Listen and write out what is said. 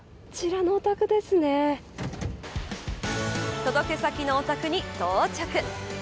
届け先のお宅に到着。